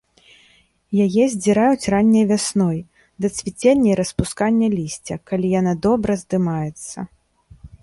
Яе здзіраюць ранняй вясной, да цвіцення і распускання лісця, калі яна добра здымаецца.